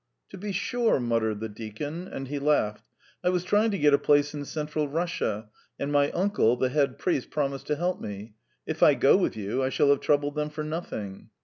"To be sure ..." muttered the deacon, and he laughed. "I was trying to get a place in Central Russia, and my uncle, the head priest, promised to help me. If I go with you I shall have troubled them for nothing."